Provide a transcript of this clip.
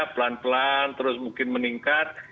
pelan pelan terus mungkin meningkat